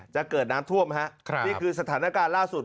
จะเกิดน้ำท่วมฮะนี่คือสถานการณ์ล่าสุด